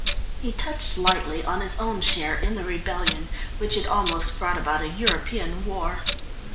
He touched lightly on his own share in the rebellion which had almost brought about a European war.